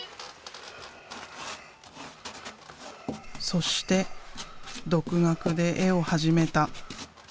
そして独学で絵を始めた。